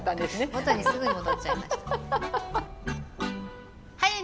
元にすぐ戻っちゃいました。